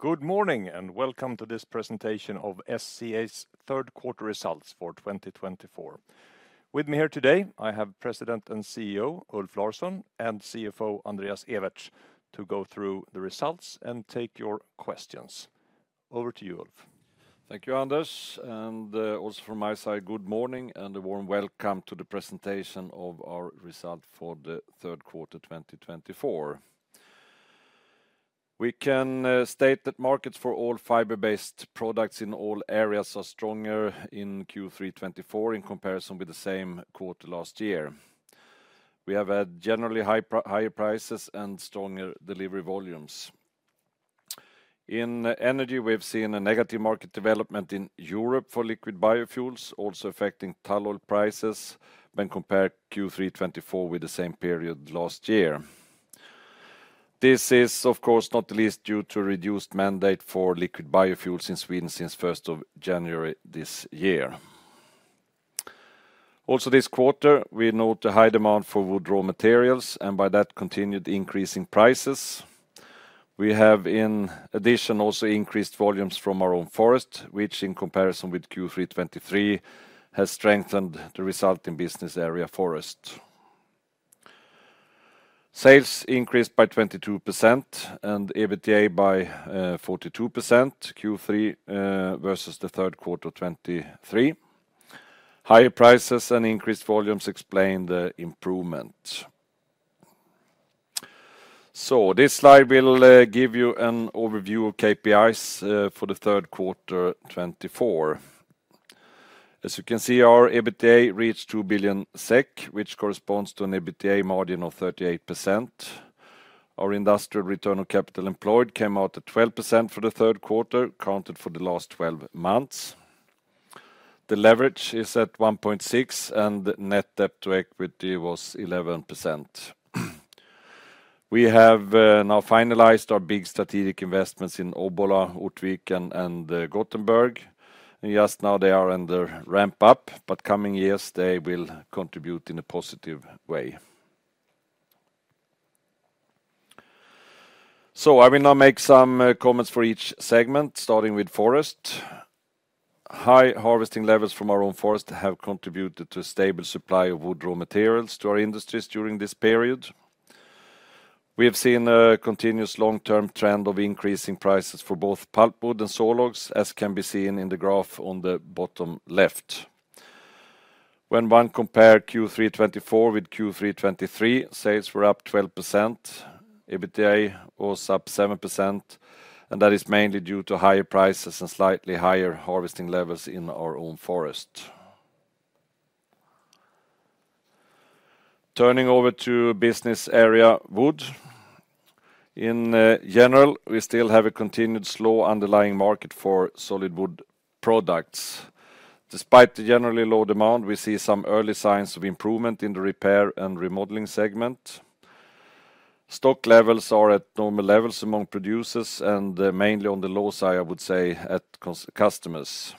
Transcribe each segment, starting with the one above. Good morning, and welcome to this presentation of SCA's Third Quarter Results for 2024. With me here today, I have President and CEO, Ulf Larsson, and CFO, Andreas Ewertz, to go through the results and take your questions. Over to you, Ulf. Thank you, Anders, and also from my side, good morning, and a warm welcome to the presentation of our result for the third quarter 2024. We can state that markets for all fiber-based products in all areas are stronger in Q3 2024 in comparison with the same quarter last year. We have had generally higher prices and stronger delivery volumes. In energy, we have seen a negative market development in Europe for liquid biofuels, also affecting tall oil prices when compared Q3 2024 with the same period last year. This is, of course, not the least due to reduced mandate for liquid biofuels in Sweden since first of January this year. Also, this quarter, we note a high demand for wood raw materials, and by that, continued increase in prices. We have, in addition, also increased volumes from our own forest, which in comparison with Q3 2023, has strengthened the resulting business area Forest. Sales increased by 22% and EBITDA by 42%, Q3 versus the third quarter 2023. Higher prices and increased volumes explain the improvement. So this slide will give you an overview of KPIs for the third quarter 2024. As you can see, our EBITDA reached 2 billion SEK, which corresponds to an EBITDA margin of 38%. Our industrial return on capital employed came out at 12% for the third quarter, counted for the last 12 months. The leverage is at 1.6, and net debt to equity was 11%. We have now finalized our big strategic investments in Obbola, Ortviken, and Gothenburg, and just now they are under ramp up, but coming years they will contribute in a positive way. I will now make some comments for each segment, starting with forest. High harvesting levels from our own forest have contributed to a stable supply of wood raw materials to our industries during this period. We have seen a continuous long-term trend of increasing prices for both pulpwood and sawlogs, as can be seen in the graph on the bottom left. When one compare Q3 2024 with Q3 2023, sales were up 12%, EBITDA was up 7%, and that is mainly due to higher prices and slightly higher harvesting levels in our own forest. Turning over to business area Wood. In general, we still have a continued slow underlying market for solid wood products. Despite the generally low demand, we see some early signs of improvement in the repair and remodeling segment. Stock levels are at normal levels among producers, and mainly on the low side, I would say, at customers.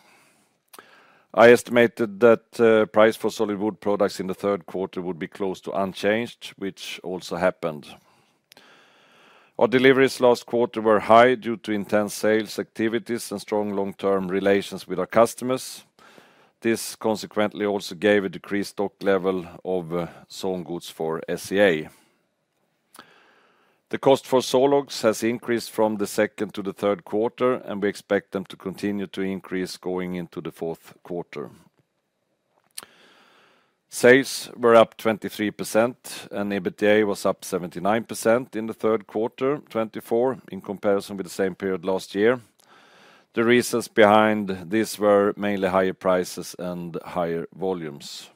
I estimated that price for solid wood products in the third quarter would be close to unchanged, which also happened. Our deliveries last quarter were high due to intense sales activities and strong long-term relations with our customers. This consequently also gave a decreased stock level of sawn goods for SCA. The cost for sawlogs has increased from the second to the third quarter, and we expect them to continue to increase going into the fourth quarter. Sales were up 23%, and EBITDA was up 79% in the third quarter 2024 in comparison with the same period last year. The reasons behind this were mainly higher prices and higher volumes.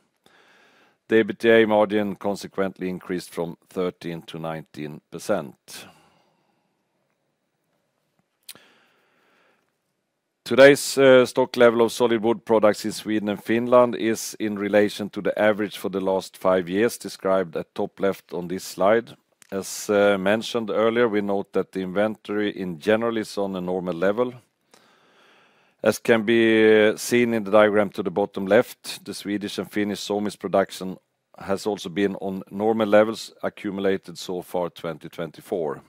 The EBITDA margin consequently increased from 13% to 19%. Today's stock level of solid wood products in Sweden and Finland is in relation to the average for the last five years, described at top left on this slide. As mentioned earlier, we note that the inventory in general is on a normal level. As can be seen in the diagram to the bottom left, the Swedish and Finnish sawmills production has also been on normal levels, accumulated so far 2024.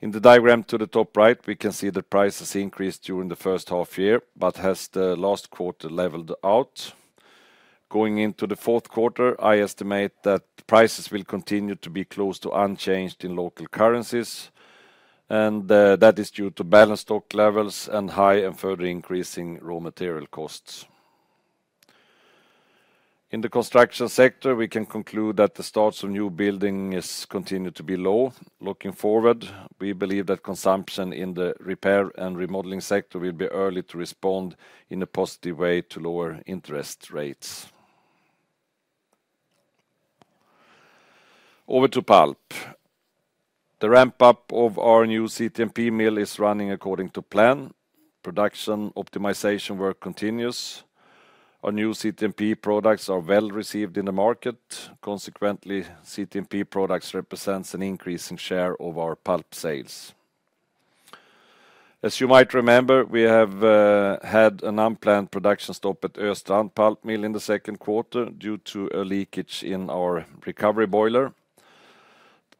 In the diagram to the top right, we can see the prices increased during the first half year, but has the last quarter leveled out. Going into the fourth quarter, I estimate that prices will continue to be close to unchanged in local currencies, and that is due to balanced stock levels and high and further increasing raw material costs. In the construction sector, we can conclude that the starts of new building is continued to be low. Looking forward, we believe that consumption in the repair and remodeling sector will be early to respond in a positive way to lower interest rates. Over to pulp. The ramp up of our new CTMP mill is running according to plan. Production optimization work continues. Our new CTMP products are well-received in the market. Consequently, CTMP products represents an increase in share of our pulp sales. As you might remember, we have had an unplanned production stop at Östrand pulp mill in the second quarter due to a leakage in our recovery boiler.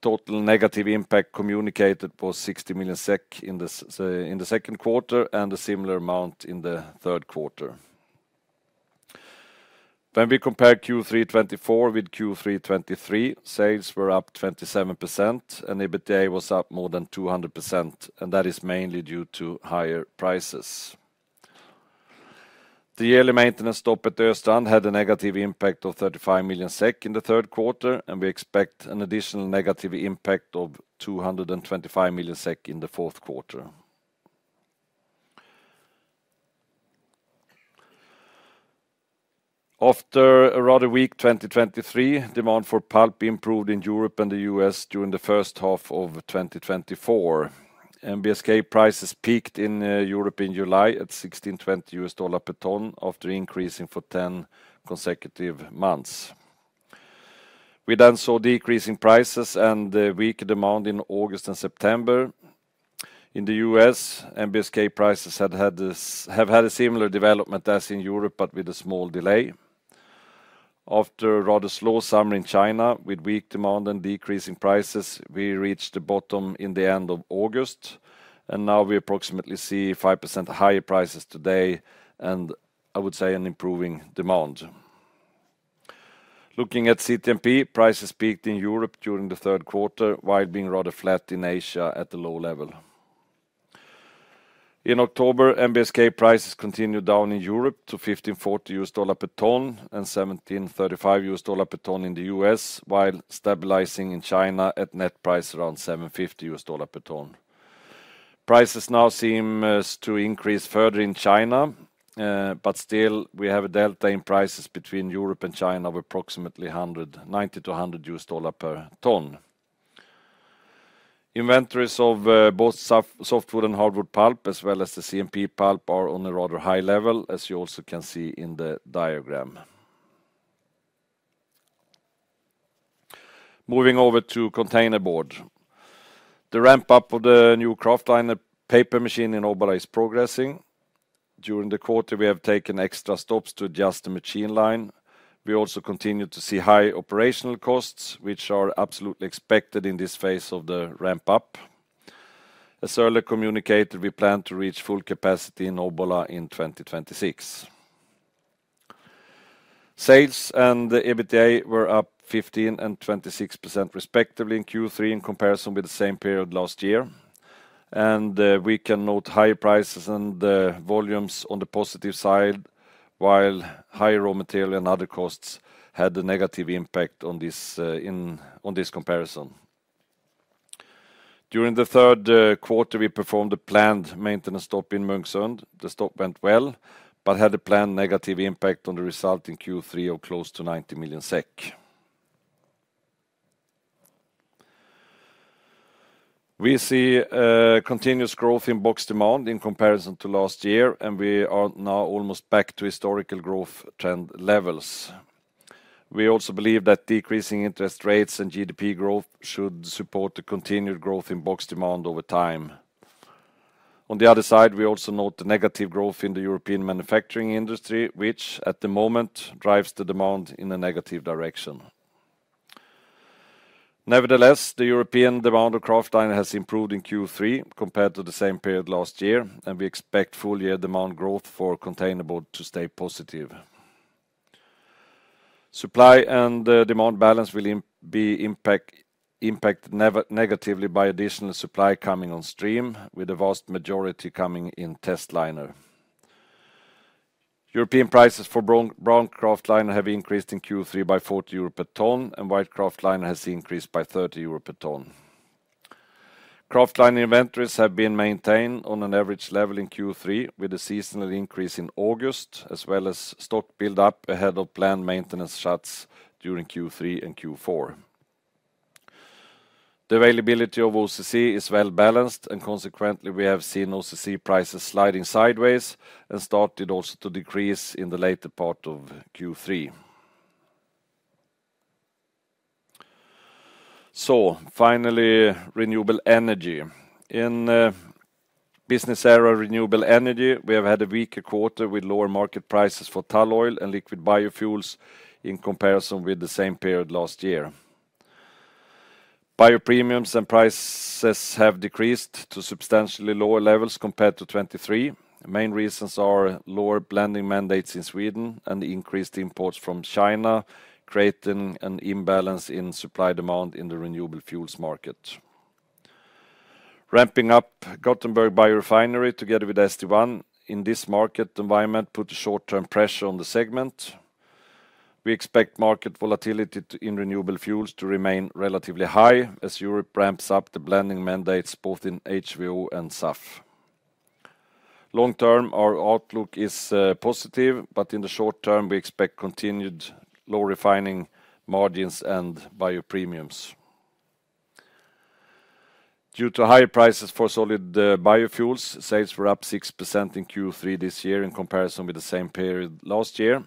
Total negative impact communicated was 60 million SEK in the second quarter, and a similar amount in the third quarter. When we compare Q3 2024 with Q3 2023, sales were up 27%, and EBITDA was up more than 200%, and that is mainly due to higher prices. The yearly maintenance stop at Östrand had a negative impact of 35 million SEK in the third quarter, and we expect an additional negative impact of 225 million SEK in the fourth quarter. After a rather weak 2023, demand for pulp improved in Europe and the U.S. during the first half of 2024. NBSK prices peaked in Europe in July at $1,620 per ton, after increasing for 10 consecutive months. We then saw decreasing prices and weak demand in August and September. In the U.S., NBSK prices have had a similar development as in Europe, but with a small delay. After a rather slow summer in China, with weak demand and decreasing prices, we reached the bottom in the end of August, and now we approximately see 5% higher prices today, and I would say an improving demand. Looking at CTMP, prices peaked in Europe during the third quarter, while being rather flat in Asia at a low level. In October, NBSK prices continued down in Europe to $1,540 per ton, and $1,735 per ton in the U.S., while stabilizing in China at net price around $750 per ton. Prices now seem to increase further in China, but still, we have a delta in prices between Europe and China of approximately $90 to $100 per ton. Inventories of both softwood and hardwood pulp, as well as the CTMP pulp, are on a rather high level, as you also can see in the diagram. Moving over to Containerboard. The ramp up of the new kraftliner paper machine in Obbola is progressing. During the quarter, we have taken extra stops to adjust the machine line. We also continue to see high operational costs, which are absolutely expected in this phase of the ramp up. As earlier communicated, we plan to reach full capacity in Obbola in 2026. Sales and the EBITDA were up 15% and 26%, respectively, in Q3, in comparison with the same period last year. We can note higher prices and volumes on the positive side, while higher raw material and other costs had a negative impact on this comparison. During the third quarter, we performed a planned maintenance stop in Munksund. The stop went well, but had a planned negative impact on the result in Q3 of close to 90 million SEK. We see continuous growth in box demand in comparison to last year, and we are now almost back to historical growth trend levels. We also believe that decreasing interest rates and GDP growth should support the continued growth in box demand over time. On the other side, we also note the negative growth in the European manufacturing industry, which, at the moment, drives the demand in a negative direction. Nevertheless, the European demand of kraftliner has improved in Q3, compared to the same period last year, and we expect full year demand growth for Containerboard to stay positive. Supply and demand balance will be impacted negatively by additional supply coming on stream, with the vast majority coming in testliner. European prices for brown kraftliner have increased in Q3 by 40 euro per ton, and white kraftliner has increased by 30 euro per ton. Kraftliner inventories have been maintained on an average level in Q3, with a seasonal increase in August, as well as stock build-up ahead of planned maintenance shuts during Q3 and Q4. The availability of OCC is well-balanced, and consequently, we have seen OCC prices sliding sideways, and started also to decrease in the later part of Q3. Finally, renewable energy. In business area, Renewable Energy, we have had a weaker quarter with lower market prices for tall oil and liquid biofuels in comparison with the same period last year. Biopremiums and prices have decreased to substantially lower levels compared to 2023. The main reasons are lower blending mandates in Sweden and increased imports from China, creating an imbalance in supply-demand in the renewable fuels market. Ramping up Gothenburg Biorefinery, together with St1, in this market environment, put a short-term pressure on the segment. We expect market volatility in renewable fuels to remain relatively high, as Europe ramps up the blending mandates, both in HVO and SAF. Long term, our outlook is positive, but in the short term, we expect continued low refining margins and biopremiums. Due to higher prices for solid biofuels, sales were up 6% in Q3 this year in comparison with the same period last year.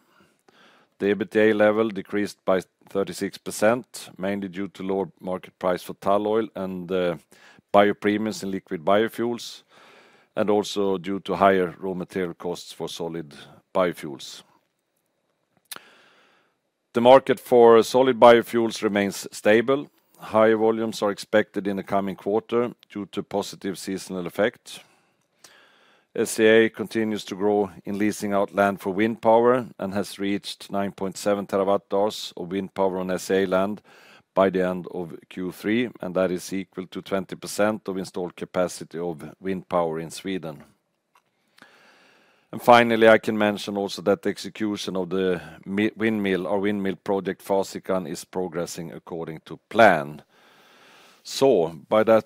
The EBITDA level decreased by 36%, mainly due to lower market price for tall oil and biopremiums in liquid biofuels, and also due to higher raw material costs for solid biofuels. The market for solid biofuels remains stable. Higher volumes are expected in the coming quarter due to positive seasonal effect. SCA continues to grow in leasing out land for wind power and has reached 9.7 TW hours of wind power on SCA land by the end of Q3, and that is equal to 20% of installed capacity of wind power in Sweden. Finally, I can mention that the execution of the windmill, our windmill project, Fasikan, is progressing according to plan. So by that,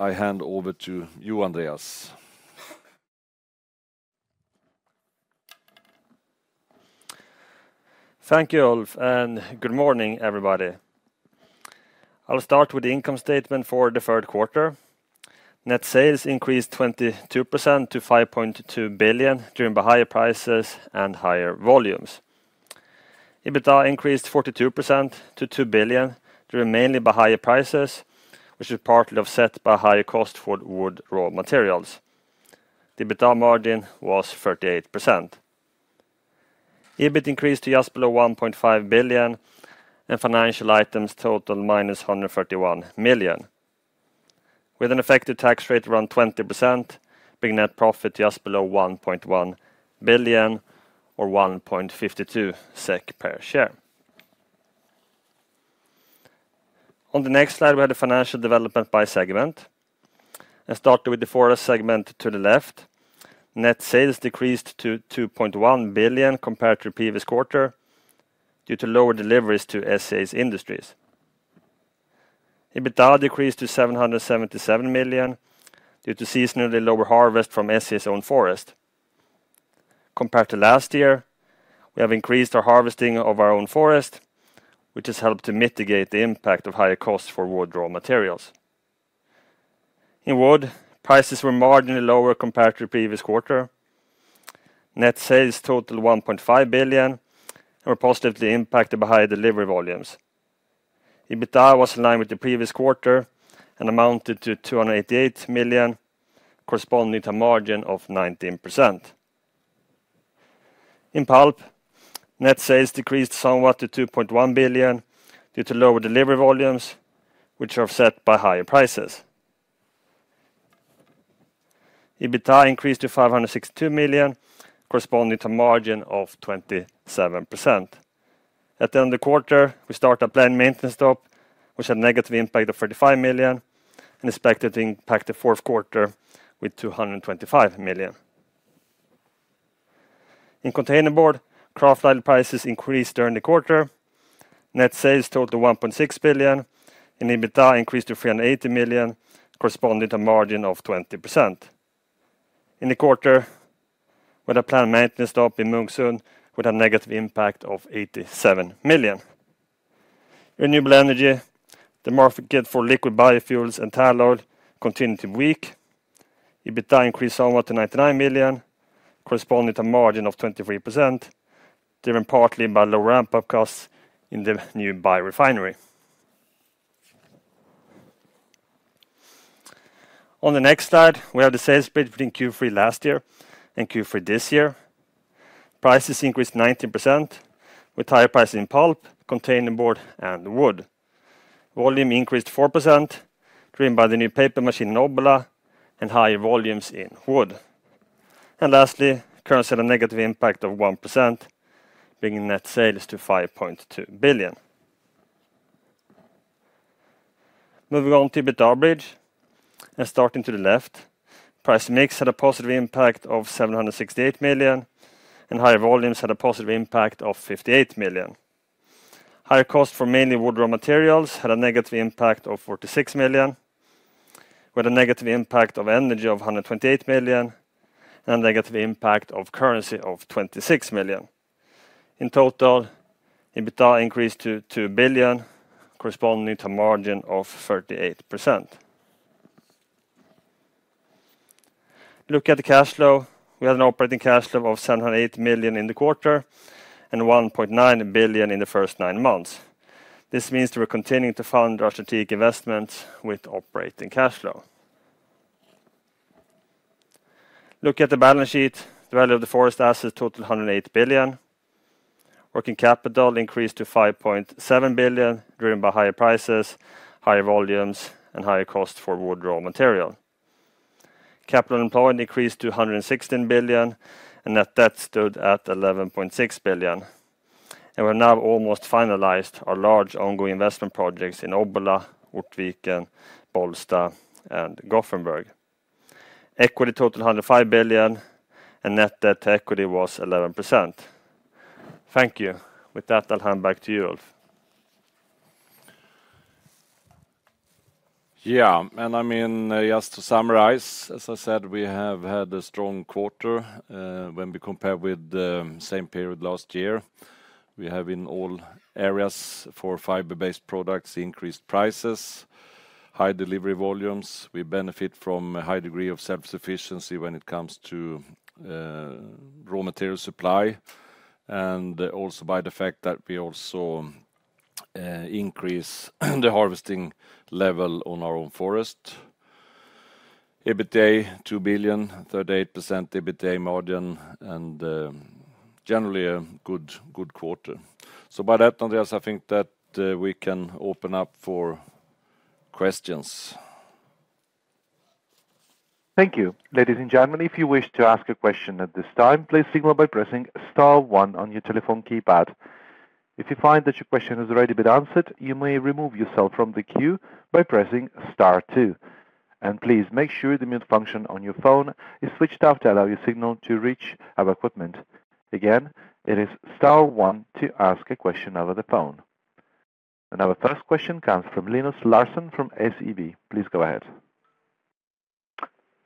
I hand over to you, Andreas. Thank you, Ulf, and good morning, everybody. I'll start with the income statement for the third quarter. Net sales increased 22% to 5.2 billion, driven by higher prices and higher volumes. EBITDA increased 42% to 2 billion, driven mainly by higher prices, which is partly offset by higher cost for wood raw materials. The EBITDA margin was 38%. EBIT increased to just below 1.5 billion, and financial items total -131 million. With an effective tax rate around 20%, bringing net profit just below 1.1 billion or 1.52 SEK per share. On the next slide, we have the financial development by segment. Let's start with the forest segment to the left. Net sales decreased to 2.1 billion compared to the previous quarter due to lower deliveries to SCA's industries. EBITDA decreased to 777 million due to seasonally lower harvest from SCA's own forest. Compared to last year, we have increased our harvesting of our own forest, which has helped to mitigate the impact of higher costs for wood raw materials. In wood, prices were marginally lower compared to the previous quarter. Net sales totaled 1.5 billion and were positively impacted by higher delivery volumes. EBITDA was in line with the previous quarter and amounted to 288 million, corresponding to a margin of 19%. In pulp, net sales decreased somewhat to 2.1 billion due to lower delivery volumes, which are offset by higher prices. EBITDA increased to 562 million, corresponding to a margin of 27%. At the end of the quarter, we start a planned maintenance stop, which had a negative impact of 35 million and expected to impact the fourth quarter with 225 million. In container board, kraftliner prices increased during the quarter. Net sales totaled 1.6 billion, and EBITDA increased to 380 million, corresponding to a margin of 20%. In the quarter, with a planned maintenance stop in Munksund, with a negative impact of 87 million. Renewable energy, the market for liquid biofuels and tall oil continued to be weak. EBITDA increased somewhat to 99 million, corresponding to a margin of 23%, driven partly by low ramp-up costs in the new biorefinery. On the next slide, we have the sales split between Q3 last year and Q3 this year. Prices increased 19%, with higher prices in pulp, container board, and wood. Volume increased 4%, driven by the new paper machine, Obbola, and higher volumes in wood. And lastly, currency had a negative impact of 1%, bringing net sales to 5.2 billion. Moving on to EBITDA bridge, and starting to the left, price mix had a positive impact of 768 million, and higher volumes had a positive impact of 58 million. Higher cost for mainly wood raw materials had a negative impact of 46 million, with a negative impact of energy of 128 million, and a negative impact of currency of 26 million. In total, EBITDA increased to 2 billion, corresponding to a margin of 38%. Looking at the cash flow, we had an operating cash flow of 708 million in the quarter and 1.9 billion in the first nine months. This means that we're continuing to fund our strategic investments with operating cash flow. Looking at the balance sheet, the value of the forest assets totaled 108 billion. Working capital increased to 5.7 billion, driven by higher prices, higher volumes, and higher costs for wood raw material. Capital employed increased to 116 billion, and net debt stood at 11.6 billion, and we're now almost finalized our large ongoing investment projects in Obbola, Ortviken, Bollsta, and Gothenburg. Equity totaled 105 billion, and net debt to equity was 11%. Thank you. With that, I'll hand back to you, Ulf. Yeah, and I mean, just to summarize, as I said, we have had a strong quarter when we compare with the same period last year. We have in all areas for fiber-based products, increased prices, high delivery volumes. We benefit from a high degree of self-sufficiency when it comes to raw material supply, and also by the fact that we also increase the harvesting level on our own forest. EBITDA, 2 billion, 38% EBITDA margin, and generally, a good, good quarter. So by that, Andreas, I think that we can open up for questions. Thank you. Ladies and gentlemen, if you wish to ask a question at this time, please signal by pressing star one on your telephone keypad. If you find that your question has already been answered, you may remove yourself from the queue by pressing star two, and please make sure the mute function on your phone is switched off to allow your signal to reach our equipment. Again, it is star one to ask a question over the phone. And our first question comes from Linus Larsson from SEB. Please go ahead.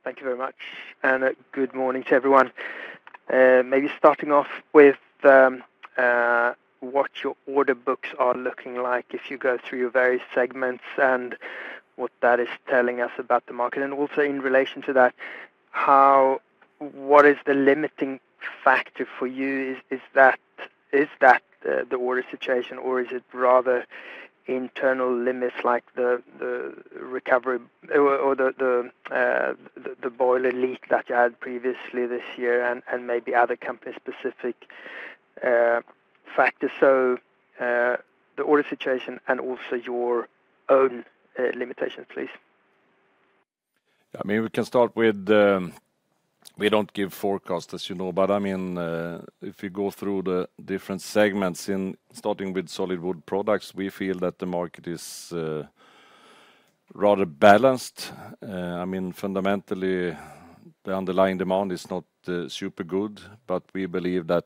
Thank you very much, and good morning to everyone. Maybe starting off with what your order books are looking like, if you go through your various segments, and what that is telling us about the market. And also in relation to that, how what is the limiting factor for you? Is that the order situation, or is it rather internal limits, like the recovery boiler leak that you had previously this year and maybe other company-specific factors? So, the order situation and also your own limitations, please. I mean, we can start with. We don't give forecasts, as you know, but, I mean, if you go through the different segments, in starting with solid wood products, we feel that the market is rather balanced. I mean, fundamentally, the underlying demand is not super good, but we believe that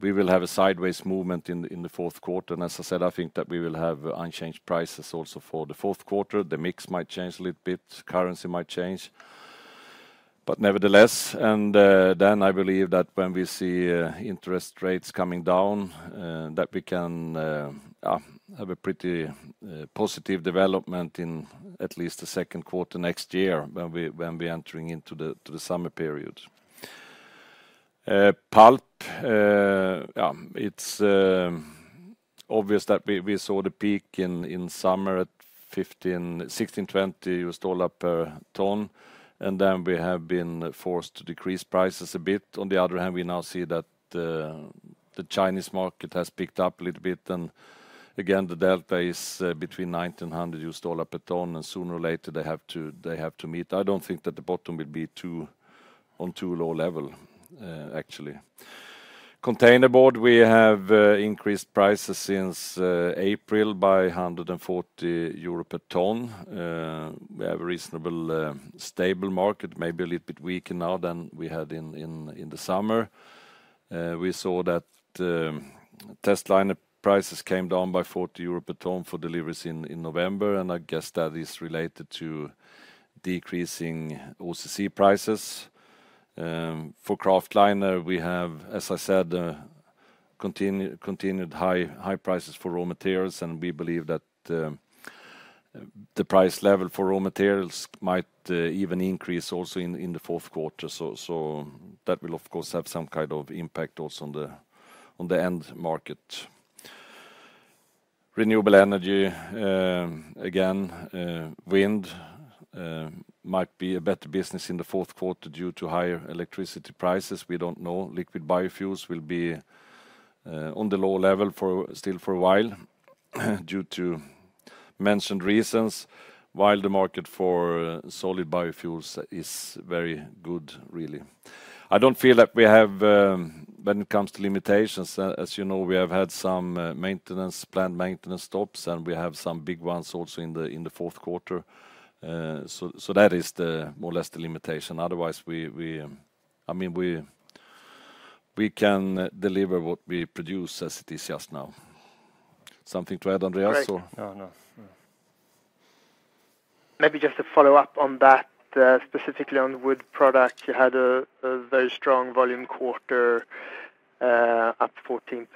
we will have a sideways movement in the fourth quarter. And as I said, I think that we will have unchanged prices also for the fourth quarter. The mix might change a little bit, currency might change, but nevertheless, and then I believe that when we see interest rates coming down, that we can have a pretty positive development in at least the second quarter next year, when we entering into the summer period. Pulp, it's obvious that we saw the peak in summer at $1,516 to $1,620 per ton, and then we have been forced to decrease prices a bit. On the other hand, we now see that the Chinese market has picked up a little bit, and again, the delta is between $1,900 per ton, and sooner or later, they have to meet. I don't think that the bottom will be too low a level, actually. Containerboard, we have increased prices since April by 140 euro per ton. We have a reasonable stable market, maybe a little bit weaker now than we had in the summer. We saw that testliner prices came down by 40 euro per ton for deliveries in November, and I guess that is related to decreasing OCC prices. For kraftliner, we have, as I said, continued high prices for raw materials, and we believe that the price level for raw materials might even increase also in the fourth quarter. So that will, of course, have some kind of impact also on the end market. Renewable energy, again, wind might be a better business in the fourth quarter due to higher electricity prices. We don't know. Liquid biofuels will be on the low level still for a while, due to mentioned reasons, while the market for solid biofuels is very good, really. I don't feel like we have, when it comes to limitations, as you know, we have had some, maintenance, planned maintenance stops, and we have some big ones also in the fourth quarter. So, that is more or less the limitation. Otherwise, we, I mean, we can deliver what we produce as it is just now. Something to add, Andreas, or? No, no. Maybe just to follow up on that, specifically on wood product, you had a very strong volume quarter, up 14%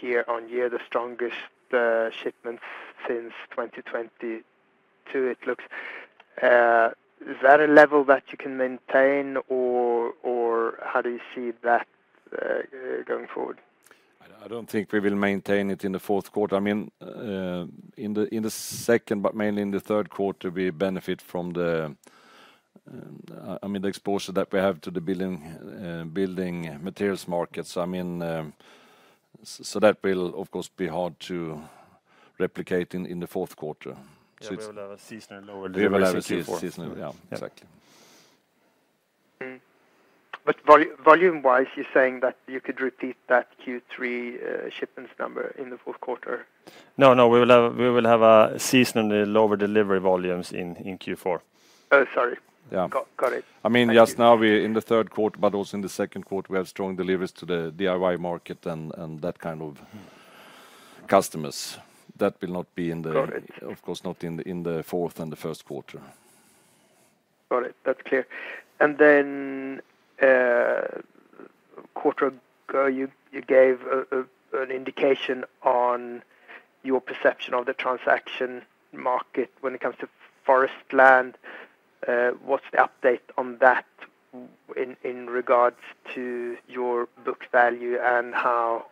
year on year, the strongest shipments since 2022 it looks. Is that a level that you can maintain, or how do you see that going forward? I don't think we will maintain it in the fourth quarter. I mean, in the second, but mainly in the third quarter, we benefit from the, I mean, the exposure that we have to the building materials market. So I mean, so that will, of course, be hard to replicate in the fourth quarter. It's seasonally lower. We will have a seasonally, yeah. Exactly. Mm-hmm. But volume-wise, you're saying that you could repeat that Q3 shipments number in the fourth quarter? No, no. We will have a seasonally lower delivery volumes in Q4. Oh, sorry. Yeah. Got it. I mean, just now, we're in the third quarter, but also in the second quarter, we have strong deliveries to the DIY market and that kind of customers. That will not be in the- Got it... Of course, not in the fourth and the first quarter. Got it. That's clear. And then, quarter ago, you gave an indication on your perception of the transaction market when it comes to forest land. What's the update on that in regards to your book value, and how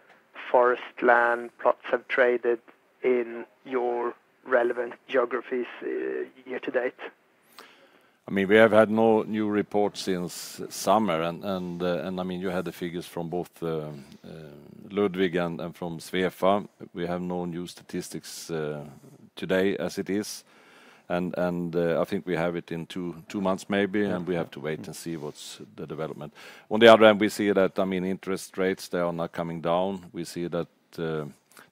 forest land plots have traded in your relevant geographies, year to date? I mean, we have had no new report since summer, and I mean, you had the figures from both Ludvig and from Svefa. We have no new statistics today as it is, and I think we have it in two months maybe, and we have to wait and see what's the development. On the other end, we see that, I mean, interest rates, they are now coming down. We see that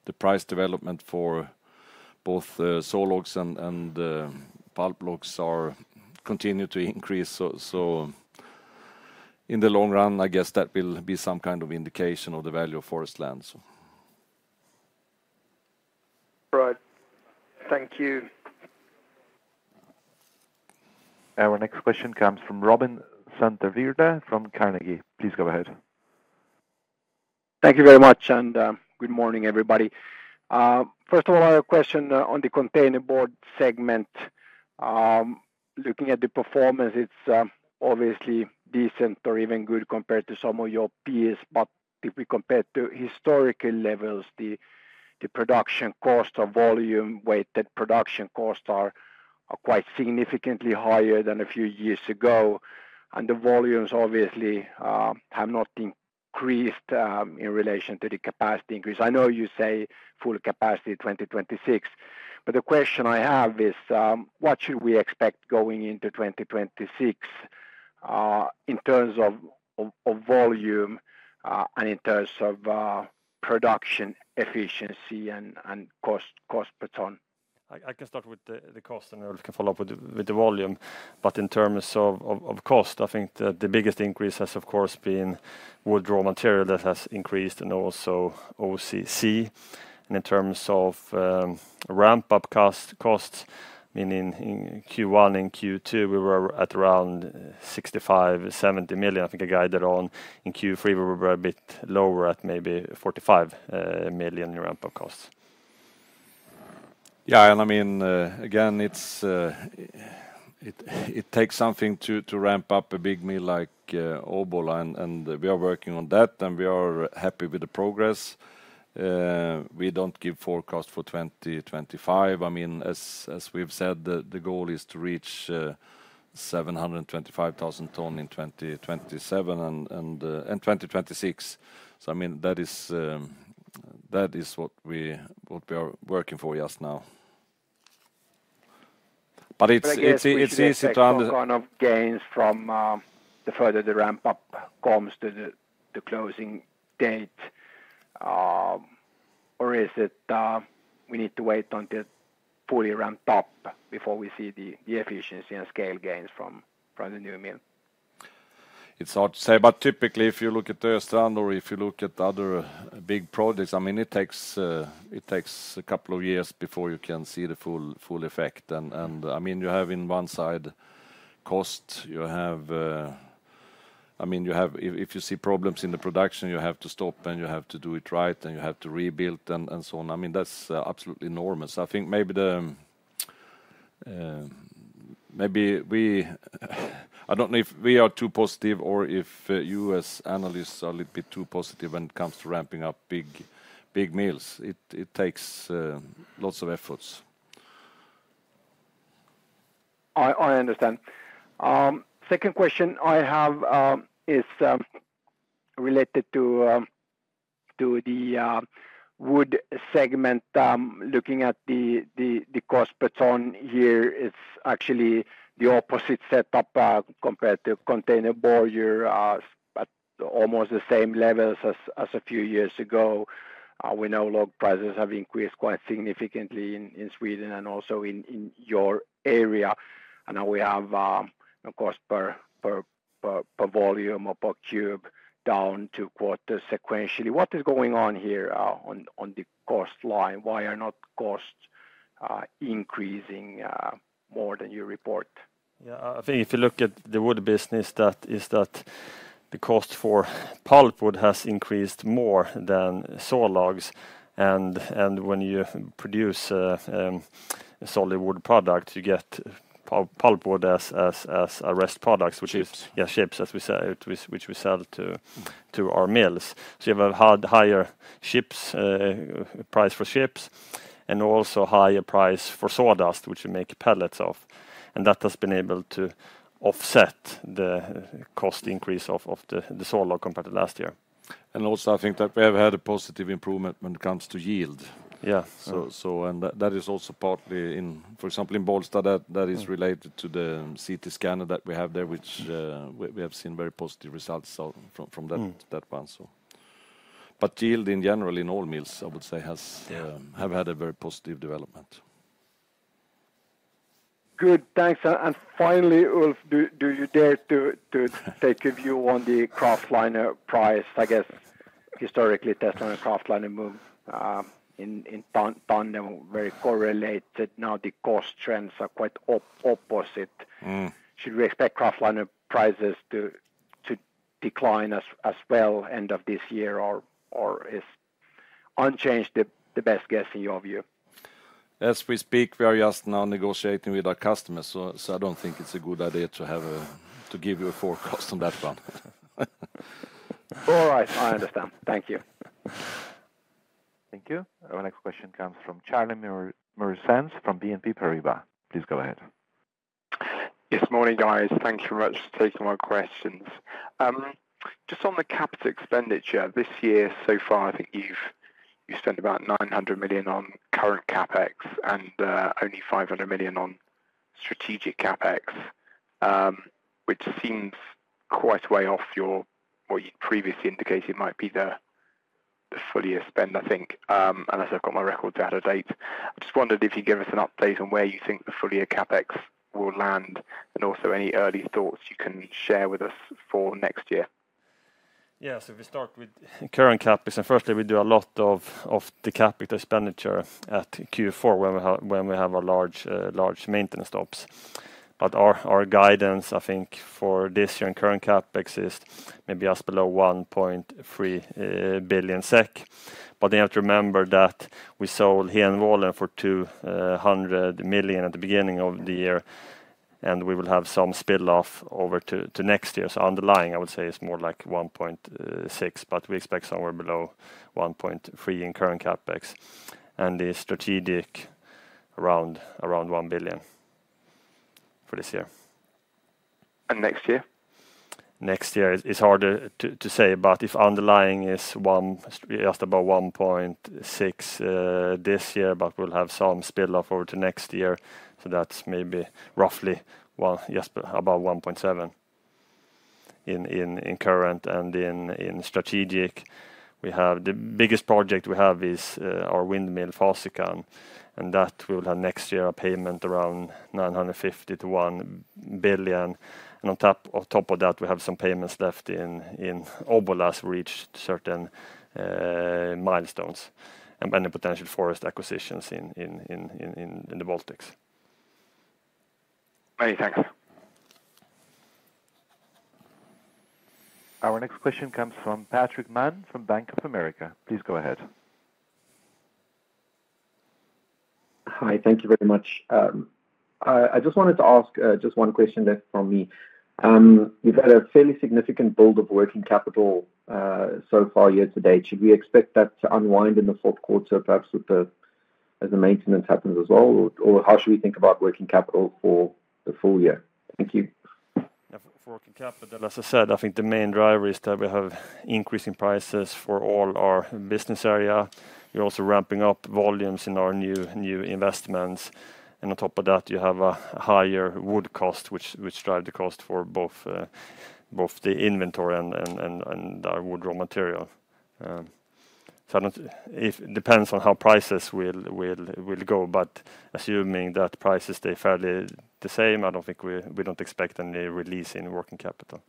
the price development for both sawlogs and pulp logs are continue to increase. So in the long run, I guess that will be some kind of indication of the value of forest lands. Right. Thank you. Our next question comes from Robin Santavirta from Carnegie. Please go ahead. Thank you very much, and good morning, everybody. First of all, I have a question on the containerboard segment. Looking at the performance, it's obviously decent or even good compared to some of your peers, but if we compare to historical levels, the production cost or volume-weighted production costs are quite significantly higher than a few years ago, and the volumes obviously have not increased in relation to the capacity increase. I know you say full capacity 2026, but the question I have is, what should we expect going into 2026 in terms of volume and in terms of production efficiency and cost per ton? I can start with the cost, and Ulf can follow up with the volume. But in terms of cost, I think the biggest increase has, of course, been wood raw material that has increased, and also OCC. And in terms of ramp-up costs, I mean, in Q1 and Q2, we were at around 65-70 million. I think I guided on in Q3, we were a bit lower at maybe 45 million in ramp-up costs. Yeah, and I mean, again, it takes something to ramp up a big mill like Obbola, and we are working on that, and we are happy with the progress. We don't give forecast for 2025. I mean, as we've said, the goal is to reach 725,000 tonnes in 2027 and 2026. So I mean, that is what we are working for just now. But it's easy to under- What kind of gains from the further the ramp up comes to the closing date? Or is it we need to wait until fully ramp up before we see the efficiency and scale gains from the new mill? It's hard to say, but typically, if you look at the Östrand or if you look at other big projects, I mean, it takes a couple of years before you can see the full effect. I mean, you have on one side cost. I mean, you have, if you see problems in the production, you have to stop, and you have to do it right, and you have to rebuild and so on. I mean, that's absolutely enormous. I think maybe we... I don't know if we are too positive or if you as analysts are a little bit too positive when it comes to ramping up big mills. It takes lots of efforts. I understand. Second question I have is related to the wood segment. Looking at the cost per ton here, it's actually the opposite setup compared to containerboard. You're at almost the same levels as a few years ago. We know log prices have increased quite significantly in Sweden and also in your area, and now we have a cost per volume or per cube down two quarters sequentially. What is going on here on the cost line? Why are not costs increasing more than you report? Yeah. I think if you look at the wood business, that is the cost for pulpwood has increased more than sawlogs. And when you produce a solid wood product, you get pulpwood as a rest product, which is- Chips. Yeah, chips, as we say, which we sell to our mills. So you have a higher chips price for chips, and also higher price for sawdust, which you make pellets of, and that has been able to offset the cost increase of the sawlog compared to last year. Also, I think that we have had a positive improvement when it comes to yield. Yeah. So, and that is also partly in, for example, in Bollsta, that is related to the CT scanner that we have there, which we have seen very positive results so from that- Mm ...that one, so. But yield in general, in all mills, I would say, has- Yeah... have had a very positive development. Good, thanks. And finally, Ulf, do you dare to take a view on the kraftliner price, I guess?... historically, testliner and kraftliner move in tandem, very correlated. Now the cost trends are quite opposite. Mm. Should we expect kraftliner prices to decline as well end of this year, or is unchanged the best guess in your view? As we speak, we are just now negotiating with our customers, so I don't think it's a good idea to give you a forecast on that one. All right, I understand. Thank you. Thank you. Our next question comes from Charlie Muir-Sands from BNP Paribas. Please go ahead. Yes, morning, guys. Thank you very much for taking my questions. Just on the capital expenditure, this year so far, I think you've, you spent about 900 million on current CapEx, and only 500 million on strategic CapEx, which seems quite way off your, what you previously indicated might be the full year spend, I think, unless I've got my records out of date. I just wondered if you give us an update on where you think the full year CapEx will land, and also any early thoughts you can share with us for next year? Yeah. So if we start with current CapEx, and firstly, we do a lot of the capital expenditure at Q4, when we have a large maintenance stops. But our guidance, I think, for this year in current CapEx is maybe just below 1.3 billion SEK. But you have to remember that we sold here in Luleå for 200 million at the beginning of the year, and we will have some spill off over to next year. So underlying, I would say, is more like 1.6, but we expect somewhere below 1.3 in current CapEx, and the strategic, around 1 billion for this year. Next year? Next year is harder to say, but if underlying is one, just about 1.6 this year, but we'll have some spill off over to next year, so that's maybe roughly, well, yes, about 1.7 in current and in strategic. The biggest project we have is our windmill Fasikan, and that we'll have next year a payment around 950 billion to 1 billion. And on top of that, we have some payments left in Obbola, we reached certain milestones, and then the potential forest acquisitions in the Baltics. Many thanks. Our next question comes from Patrick Mann, from Bank of America. Please go ahead. Hi, thank you very much. I just wanted to ask just one question that from me. You've had a fairly significant build of working capital so far year to date. Should we expect that to unwind in the fourth quarter, perhaps, with the as the maintenance happens as well? Or how should we think about working capital for the full year? Thank you. Yeah. For working capital, as I said, I think the main driver is that we have increasing prices for all our business area. We're also ramping up volumes in our new investments, and on top of that, you have a higher wood cost, which drive the cost for both the inventory and our wood raw material. So it depends on how prices will go, but assuming that prices stay fairly the same, I don't think we don't expect any release in working capital.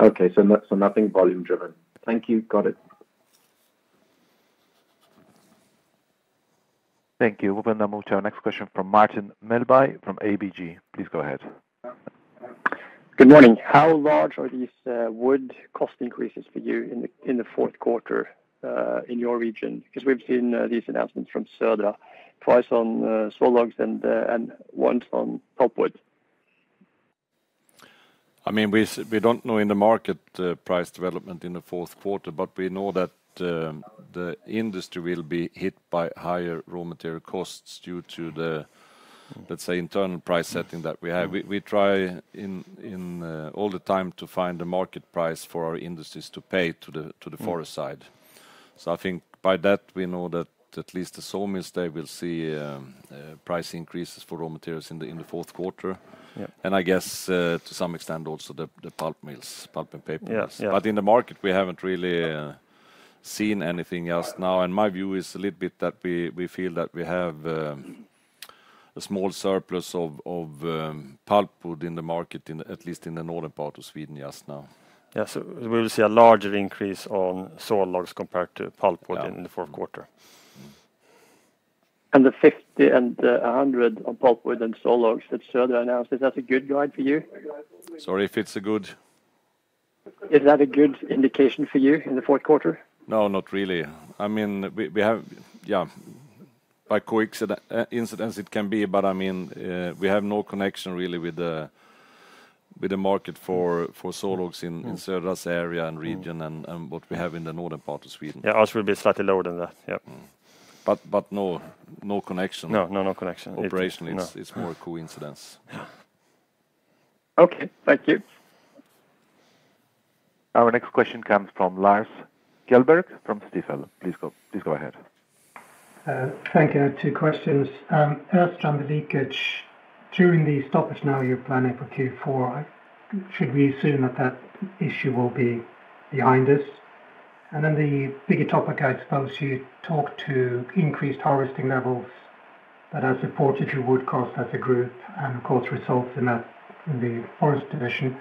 Okay. So not, so nothing volume driven. Thank you. Got it. Thank you. We're gonna move to our next question from Martin Melbye, from ABG. Please go ahead. Good morning. How large are these wood cost increases for you in the fourth quarter in your region? Because we've seen these announcements from Södra, twice on saw logs and once on softwood. I mean, we don't know in the market, the price development in the fourth quarter, but we know that the industry will be hit by higher raw material costs due to the, let's say, internal price setting that we have. We try in all the time to find a market price for our industries to pay to the forest side. So I think by that, we know that at least the sawmills, they will see price increases for raw materials in the fourth quarter. Yeah. And I guess, to some extent, also, the pulp mills, pulp and paper mills. Yes. Yeah. But in the market, we haven't really seen anything else now, and my view is a little bit that we feel that we have a small surplus of pulpwood in the market, at least in the northern part of Sweden, yes, now. Yes, so we will see a larger increase on sawlogs compared to pulpwood. Yeah... in the fourth quarter. Mm-hmm. And the fifty and a hundred on pulpwood and saw logs that Södra announced, is that a good guide for you? Sorry, if it's a good? Is that a good indication for you in the fourth quarter? No, not really. I mean, we have, yeah, by coincidence, it can be, but I mean, we have no connection really with the, with the market for saw logs in- Mm... in Södra's area and region, and what we have in the northern part of Sweden. Yeah, ours will be slightly lower than that. Yep. Mm. But no connection. No, no, no connection. Operationally- No... it's more a coincidence. Yeah. Okay, thank you. Our next question comes from Lars Kjellberg, from Deutsche Bank. Please go, please go ahead. Thank you. Two questions. First, on the leakage, during the stoppage now you're planning for Q4, should we assume that that issue will be behind us? And then the bigger topic, I suppose you talked to increased harvesting levels-... that has a forestry wood cost as a group, and of course, results in that, in the forest division.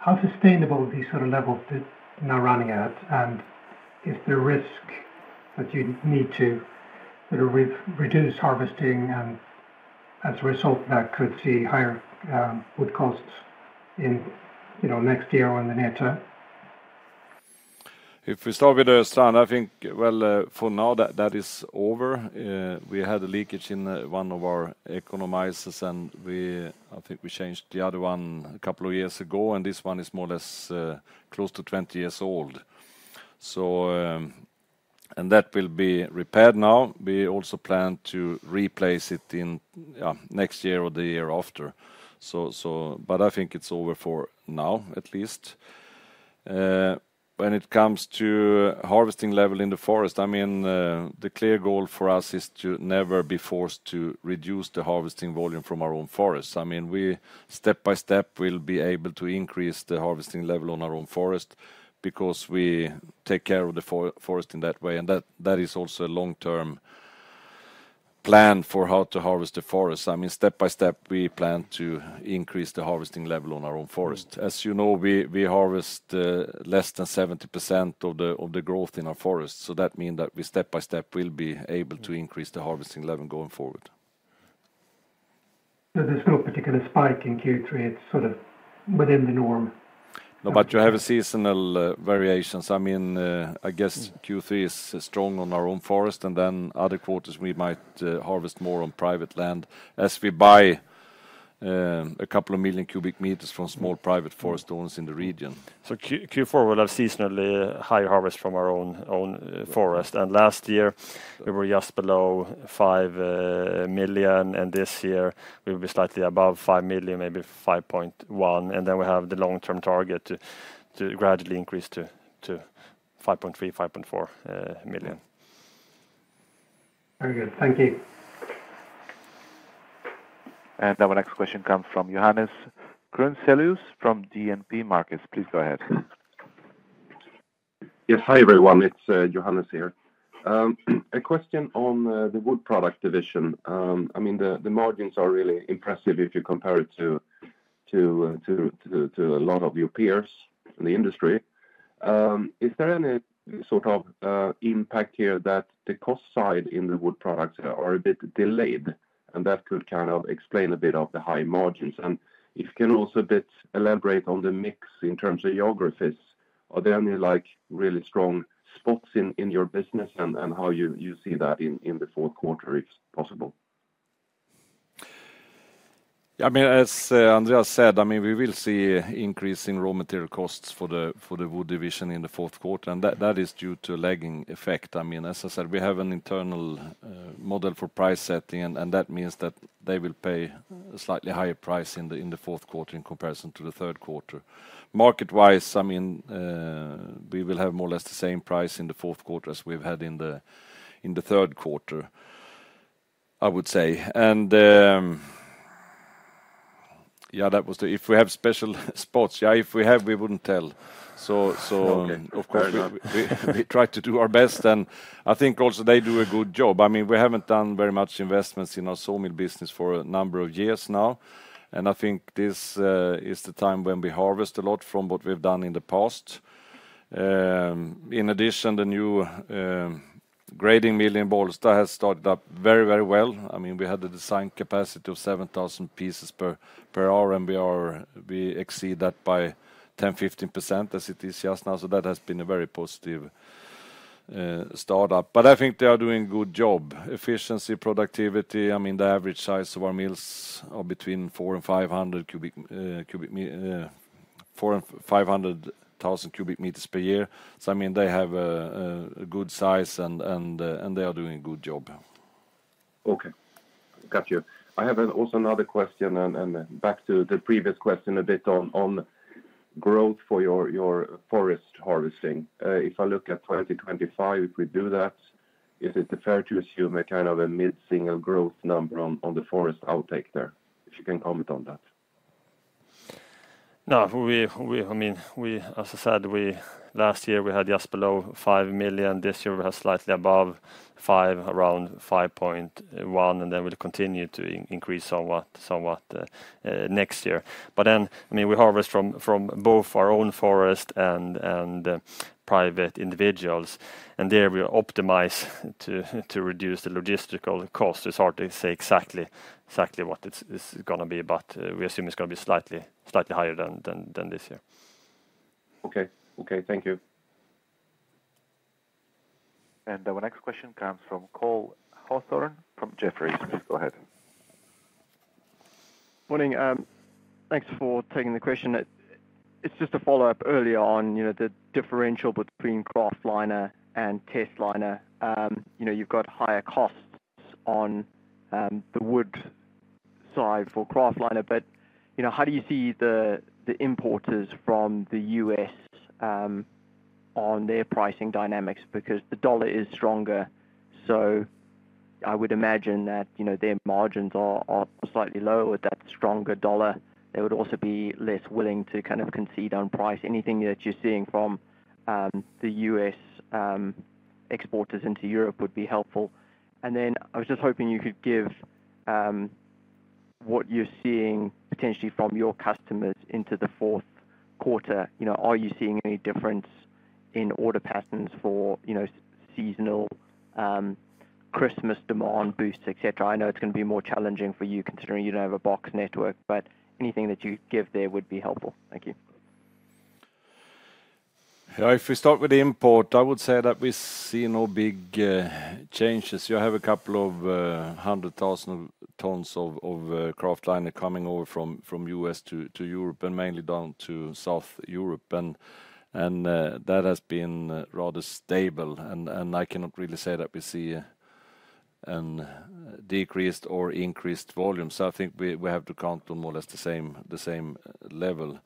How sustainable are these sort of levels that you're now running at? And is there risk that you need to sort of reduce harvesting, and as a result, that could see higher wood costs in, you know, next year or in the near term? If we start with Östrand, I think for now, that is over. We had a leakage in one of our economizers, and I think we changed the other one a couple of years ago, and this one is more or less close to 20 years old. And that will be repaired now. We also plan to replace it in next year or the year after. But I think it's over for now, at least. When it comes to harvesting level in the forest, the clear goal for us is to never be forced to reduce the harvesting volume from our own forests. I mean, we step by step will be able to increase the harvesting level on our own forest because we take care of the forest in that way, and that is also a long-term plan for how to harvest the forest. I mean, step by step, we plan to increase the harvesting level on our own forest. As you know, we harvest less than 70% of the growth in our forests, so that means we step by step will be able to increase the harvesting level going forward. So there's no particular spike in Q3. It's sort of within the norm? No, but you have a seasonal variations. I mean, I guess Q3 is strong on our own forest, and then other quarters, we might harvest more on private land as we buy a couple of million cubic meters from small private forest owners in the region. Q4 will have seasonally higher harvest from our own forest. Last year, we were just below five million, and this year, we will be slightly above five million, maybe five point one, and then we have the long-term target to gradually increase to five point three, five point four million. Very good. Thank you. Our next question comes from Johannes Grunselius from DNB Markets. Please go ahead. Yes. Hi, everyone. It's Johannes here. A question on the wood product division. I mean, the margins are really impressive if you compare it to a lot of your peers in the industry. Is there any sort of impact here that the cost side in the wood products are a bit delayed, and that could kind of explain a bit of the high margins? And if you can also a bit elaborate on the mix in terms of geographies, are there any, like, really strong spots in your business, and how you see that in the fourth quarter, if possible? I mean, as Andreas said, I mean, we will see increase in raw material costs for the wood division in the fourth quarter, and that is due to a lagging effect. I mean, as I said, we have an internal model for price setting, and that means that they will pay a slightly higher price in the fourth quarter in comparison to the third quarter. Market-wise, I mean, we will have more or less the same price in the fourth quarter as we've had in the third quarter, I would say. That was the... If we have special spots, we wouldn't tell. So, Okay, fair enough.... of course, we try to do our best, and I think also they do a good job. I mean, we haven't done very much investments in our sawmill business for a number of years now, and I think this is the time when we harvest a lot from what we've done in the past. In addition, the new grading mill in Bollsta has started up very, very well. I mean, we had the design capacity of 7,000 pieces per hour, and we exceed that by 10% to 15% as it is just now. So that has been a very positive startup. But I think they are doing a good job. Efficiency, productivity, I mean, the average size of our mills are between four and five hundred thousand cubic meters per year. So, I mean, they have a good size, and they are doing a good job. Okay. Got you. I have also another question, and back to the previous question a bit on growth for your forest harvesting. If I look at 2025, if we do that, is it fair to assume a kind of a mid-single growth number on the forest outtake there? If you can comment on that. No, I mean, as I said, last year we had just below five million. This year, we have slightly above five, around five point one, and then we'll continue to increase somewhat next year. But then, I mean, we harvest from both our own forest and private individuals, and there we optimize to reduce the logistical cost. It's hard to say exactly what it's gonna be, but we assume it's gonna be slightly higher than this year. Okay. Okay, thank you. And our next question comes from Cole Hathorn, from Jefferies. Please go ahead. Morning, thanks for taking the question. It's just a follow-up earlier on, you know, the differential between kraftliner and testliner. You know, you've got higher costs on the wood side for kraftliner, but, you know, how do you see the importers from the U.S. on their pricing dynamics? Because the dollar is stronger, so I would imagine that, you know, their margins are slightly lower. With that stronger dollar, they would also be less willing to kind of concede on price. Anything that you're seeing from the U.S. exporters into Europe would be helpful. And then I was just hoping you could give what you're seeing potentially from your customers into the fourth quarter. You know, are you seeing any difference in order patterns for, you know, seasonal, Christmas demand boosts, et cetera? I know it's gonna be more challenging for you, considering you don't have a box network, but anything that you give there would be helpful. Thank you. If we start with the import, I would say that we see no big changes. You have a couple of hundred thousand tons of kraftliner coming over from the U.S. to Europe, and mainly down to south Europe. That has been rather stable, and I cannot really say that we see decreased or increased volume. So I think we have to count on more or less the same level.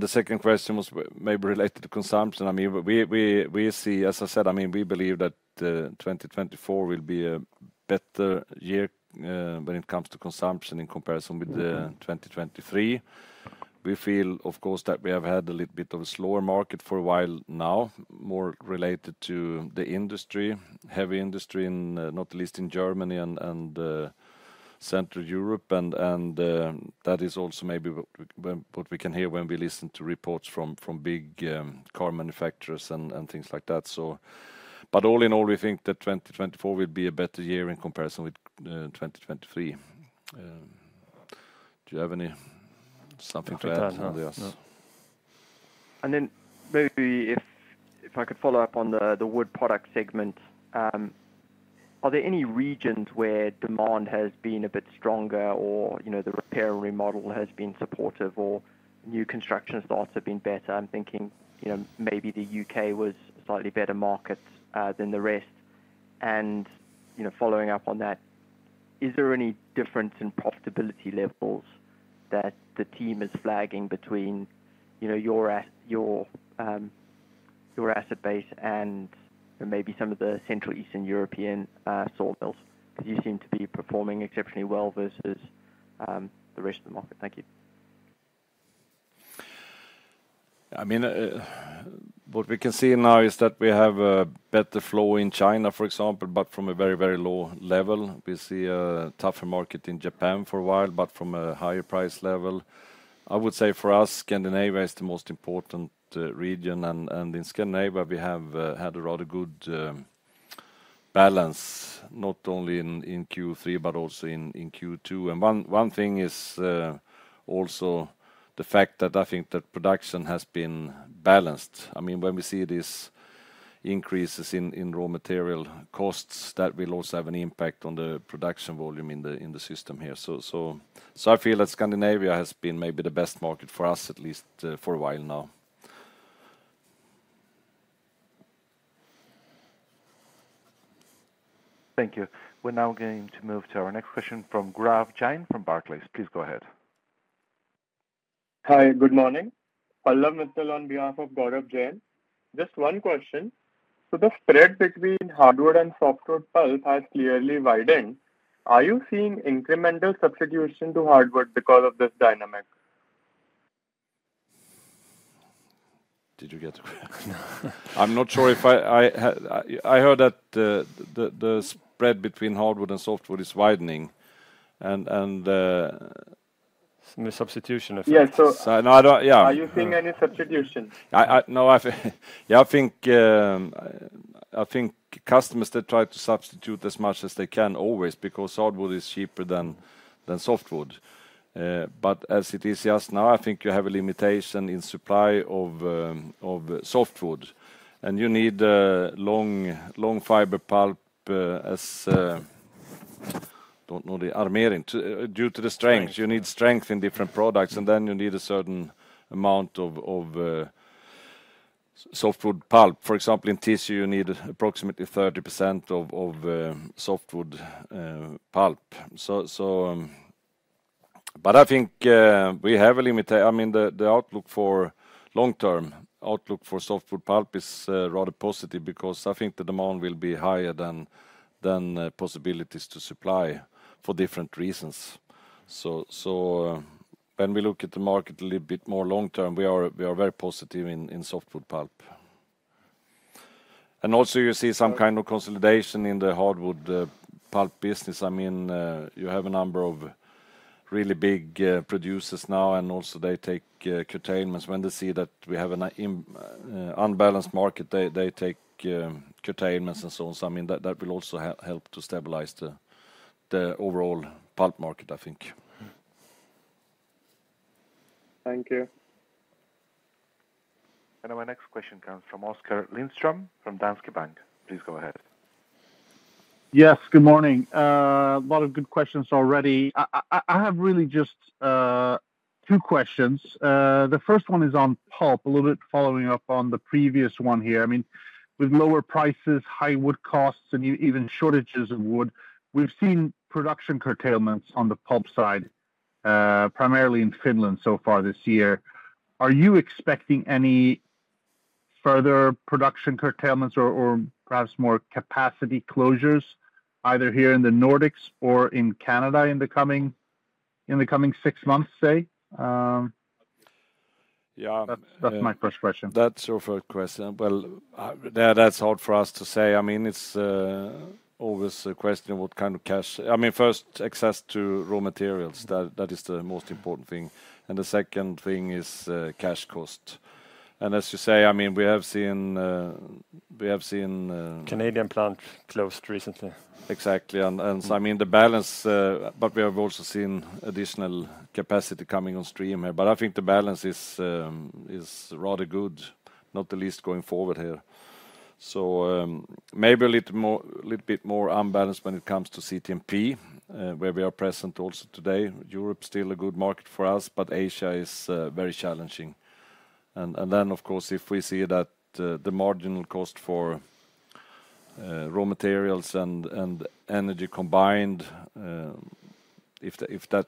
The second question was maybe related to consumption. I mean, we see. As I said, I mean, we believe that 2024 will be a better year when it comes to consumption in comparison with 2023. We feel, of course, that we have had a little bit of a slower market for a while now, more related to the industry, heavy industry, and not least in Germany and Central Europe. That is also maybe what we can hear when we listen to reports from big car manufacturers and things like that, so. But all in all, we think that 2024 will be a better year in comparison with 2023. Do you have something to add, Andreas? No. And then maybe if I could follow up on the wood products segment, are there any regions where demand has been a bit stronger or, you know, the repair and remodel has been supportive, or new construction starts have been better? I'm thinking, you know, maybe the UK was a slightly better market than the rest. And, you know, following up on that, is there any difference in profitability levels that the team is flagging between, you know, your asset base and maybe some of the Central and Eastern European sawmills? Because you seem to be performing exceptionally well versus the rest of the market. Thank you. I mean, what we can see now is that we have a better flow in China, for example, but from a very, very low level. We see a tougher market in Japan for a while, but from a higher price level. I would say for us, Scandinavia is the most important region, and in Scandinavia, we have had a rather good balance, not only in Q3, but also in Q2. And one thing is also the fact that I think that production has been balanced. I mean, when we see these increases in raw material costs, that will also have an impact on the production volume in the system here. So I feel that Scandinavia has been maybe the best market for us, at least, for a while now. Thank you. We're now going to move to our next question from Gaurav Jain from Barclays. Please go ahead. Hi, good morning. Pallav Mittal on behalf of Gaurav Jain. Just one question: so the spread between hardwood and softwood pulp has clearly widened. Are you seeing incremental substitution to hardwood because of this dynamic? Did you get? I'm not sure if I heard that the spread between hardwood and softwood is widening, and The substitution effect. Yeah, so- So no, I don't... Yeah. Are you seeing any substitution? No, I think, yeah, I think customers they try to substitute as much as they can always because hardwood is cheaper than softwood. But as it is just now, I think you have a limitation in supply of softwood, and you need long fiber pulp, as don't know the armering. Due to the strength- You need strength in different products, and then you need a certain amount of softwood pulp. For example, in tissue, you need approximately 30% of softwood pulp. But I think, I mean, the outlook for long term outlook for softwood pulp is rather positive because I think the demand will be higher than possibilities to supply for different reasons. When we look at the market a little bit more long term, we are very positive in softwood pulp. Also, you see some consolidation in the hardwood pulp business. I mean, you have a number of really big producers now, and also they take curtailments. When they see that we have an imbalanced market, they take curtailments and so on. So, I mean, that will also help to stabilize the overall pulp market, I think. Thank you. And our next question comes from Oskar Lindström, from Danske Bank. Please go ahead. Yes, good morning. A lot of good questions already. I have really just two questions. The first one is on pulp, a little bit following up on the previous one here. I mean, with lower prices, high wood costs, and even shortages of wood, we've seen production curtailments on the pulp side, primarily in Finland so far this year. Are you expecting any further production curtailments or, or perhaps more capacity closures, either here in the Nordics or in Canada in the coming six months, say? Yeah. That's, that's my first question. That's your first question. Well, that's hard for us to say. I mean, it's always a question of what kind of cash. I mean, first, access to raw materials, that is the most important thing, and the second thing is cash cost. And as you say, I mean, we have seen. Canadian plant closed recently. Exactly. And so, I mean, the balance, but we have also seen additional capacity coming on stream here. But I think the balance is rather good, not the least going forward here. So, maybe a little bit more unbalanced when it comes to CTMP, where we are present also today. Europe is still a good market for us, but Asia is very challenging. And then, of course, if we see that the marginal cost for raw materials and energy combined, if that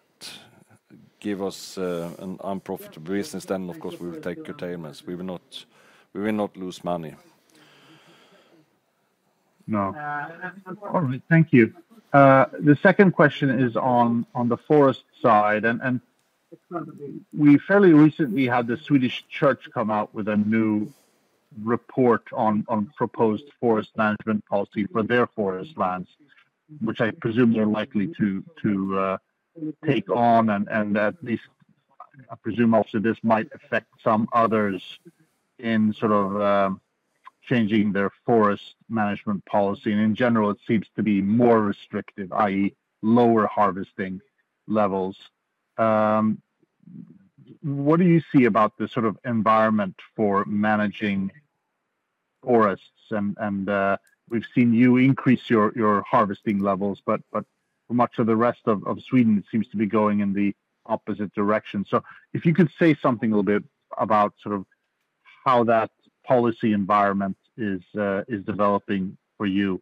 give us an unprofitable business, then, of course, we will take curtailments. We will not lose money. No. All right, thank you. The second question is on the forest side, and we fairly recently had the Swedish Church come out with a new report on proposed forest management policy for their forest lands, which I presume they're likely to take on, and at least, I presume also this might affect some others in sort of changing their forest management policy. And in general, it seems to be more restrictive, i.e., lower harvesting levels. What do you see about the sort of environment for managing forests? And we've seen you increase your harvesting levels, but much of the rest of Sweden seems to be going in the opposite direction. So if you could say something a little bit about sort of how that policy environment is developing for you.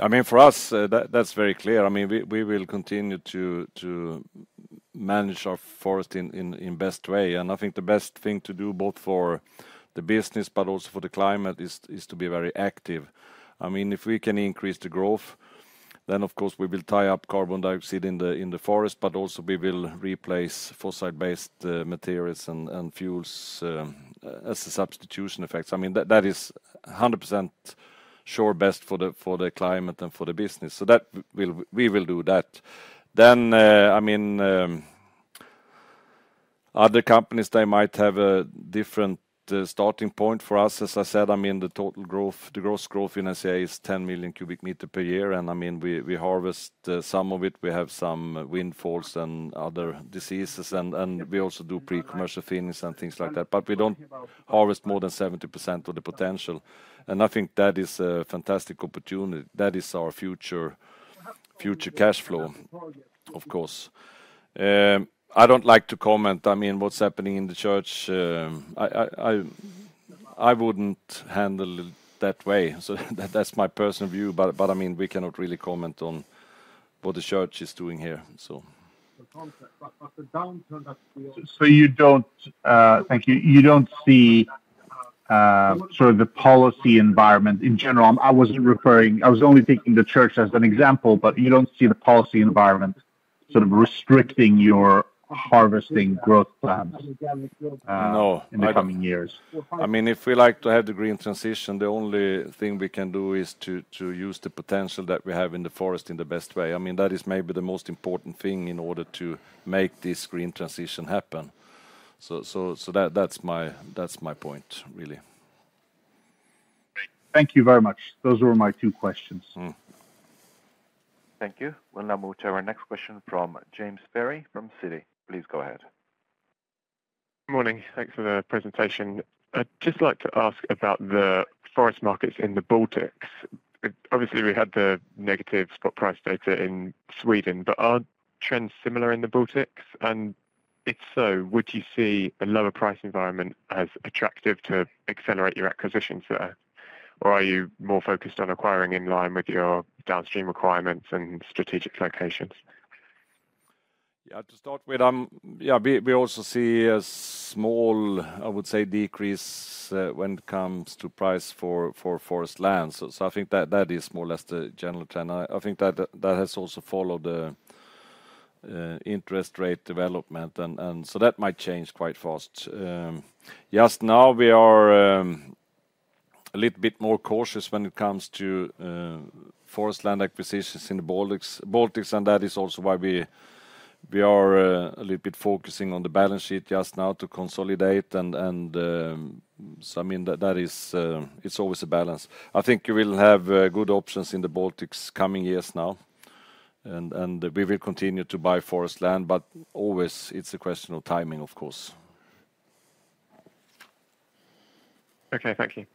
I mean, for us, that's very clear. I mean, we will continue to manage our forest in best way, and I think the best thing to do, both for the business but also for the climate, is to be very active. I mean, if we can increase the growth, then, of course, we will tie up carbon dioxide in the forest, but also we will replace fossil-based materials and fuels as a substitution effect. I mean, that is 100% sure best for the climate and for the business, so that we will do that, then I mean, other companies, they might have a different starting point. For us, as I said, I mean, the total growth, the gross growth in SCA is 10 million cubic meters per year, and, I mean, we harvest some of it, we have some windfalls and other diseases, and we also do pre-commercial thinnings and things like that, but we don't harvest more than 70% of the potential, and I think that is a fantastic opportunity. That is our future cash flow, of course. I don't like to comment, I mean, what's happening in the Church. I wouldn't handle it that way. So that's my personal view. But, I mean, we cannot really comment on what the Church is doing here, so. So you don't, Thank you. You don't see sort of the policy environment in general? I was referring, I was only taking the Church as an example, but you don't see the policy environment sort of restricting your harvesting growth plans? No... in the coming years? I mean, if we like to have the green transition, the only thing we can do is to use the potential that we have in the forest in the best way. I mean, that is maybe the most important thing in order to make this green transition happen. So that, that's my point, really. Thank you very much. Those were my two questions. Mm. Thank you. We'll now move to our next question from James Barry from Citi. Please go ahead. Morning. Thanks for the presentation. I'd just like to ask about the forest markets in the Baltics. Obviously, we had the negative spot price data in Sweden, but are trends similar in the Baltics? And if so, would you see a lower price environment as attractive to accelerate your acquisitions there, or are you more focused on acquiring in line with your downstream requirements and strategic locations? Yeah, to start with, we also see a small, I would say, decrease when it comes to price for forest land. So I think that is more or less the general trend. I think that has also followed the interest rate development, and so that might change quite fast. Just now, we are a little bit more cautious when it comes to forest land acquisitions in the Baltics, and that is also why we are a little bit focusing on the balance sheet just now to consolidate, so, I mean, that is, it's always a balance. I think you will have good options in the Baltics coming years now, and we will continue to buy forest land, but always it's a question of timing, of course. Okay, thank you.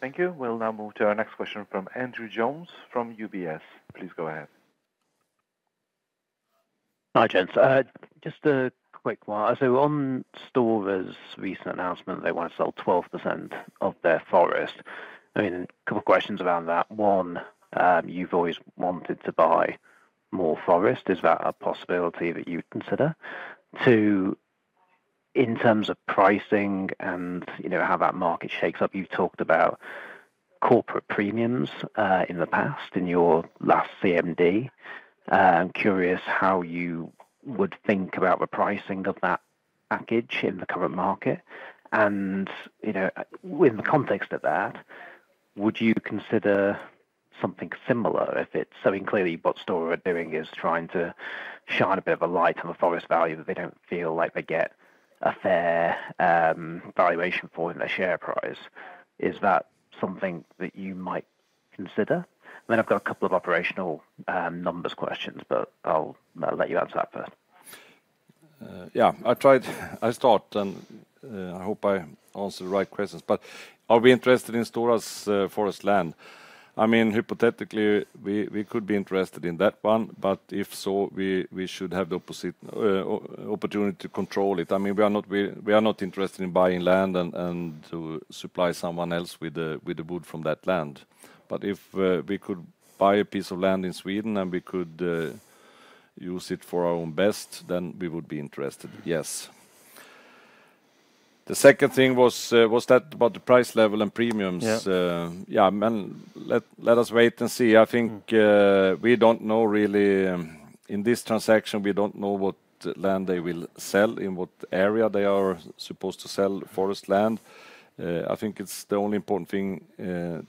Thank you. We'll now move to our next question from Andrew Jones from UBS. Please go ahead. Hi, gents. Just a quick one. So on Stora's recent announcement, they want to sell 12% of their forest. I mean, a couple of questions around that. One, you've always wanted to buy more forest. Is that a possibility that you would consider? Two, in terms of pricing and, you know, how that market shapes up, you've talked about corporate premiums in the past, in your last CMD. I'm curious how you would think about the pricing of that package in the current market, and, you know, with the context of that, would you consider something similar if it's so, I mean, clearly, what Stora are doing is trying to shine a bit of a light on the forest value, but they don't feel like they get a fair valuation for in their share price. Is that something that you might consider? Then I've got a couple of operational numbers questions, but I'll, I'll let you answer that first. Yeah, I start, and I hope I answer the right questions, but are we interested in Stora's forest land? I mean, hypothetically, we could be interested in that one, but if so, we should have the opposite opportunity to control it. I mean, we are not interested in buying land and to supply someone else with the wood from that land. But if we could buy a piece of land in Sweden, and we could use it for our own best, then we would be interested, yes. The second thing was that about the price level and premiums? Yeah. Yeah, and let us wait and see. I think we don't know really in this transaction. We don't know what land they will sell, in what area they are supposed to sell forest land. I think it's the only important thing to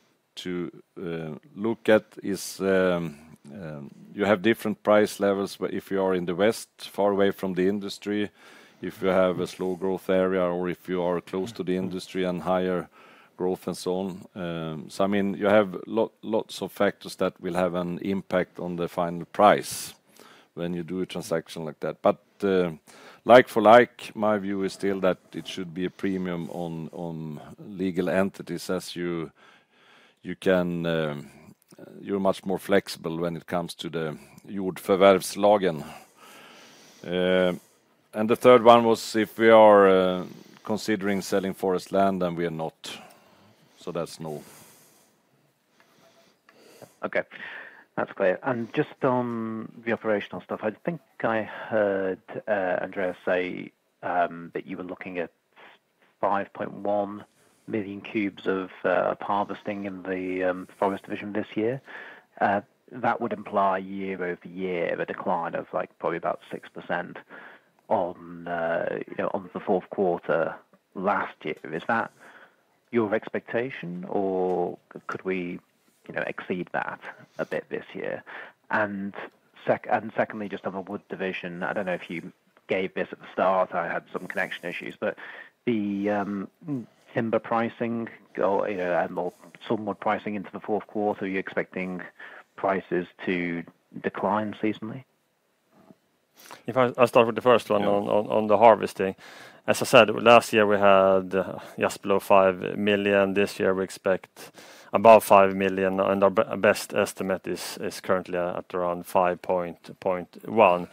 look at is you have different price levels, but if you are in the west, far away from the industry, if you have a slow growth area, or if you are close to the industry and higher growth and so on. So I mean, you have lots of factors that will have an impact on the final price when you do a transaction like that. But, like for like, my view is still that it should be a premium on, on legal entities as you, you can, you're much more flexible when it comes to the Jordförvärvslagen. And the third one was if we are, considering selling forest land, and we are not, so that's no. Okay, that's clear. And just on the operational stuff, I think I heard Andreas say that you were looking at 5.1 million cubes of harvesting in the forest division this year. That would imply year over year, a decline of, like, probably about 6% on the fourth quarter last year. Is that your expectation, or could we exceed that a bit this year? And secondly, just on the wood division, I don't know if you gave this at the start, I had some connection issues, but the timber pricing or, you know, and moreover softwood pricing into the fourth quarter, are you expecting prices to decline seasonally? If I start with the first one- Yeah... on the harvesting. As I said, last year, we had just below five million. This year, we expect about five million, and our best estimate is currently at around five point one,